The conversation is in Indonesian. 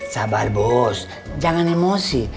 sabar bos jangan emosi